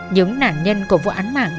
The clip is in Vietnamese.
những nạn nhân của vụ án mạng